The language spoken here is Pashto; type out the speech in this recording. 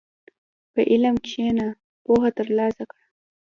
په علم کښېنه، پوهه ترلاسه کړه.